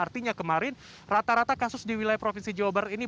artinya kemarin rata rata kasus di wilayah provinsi jawa barat ini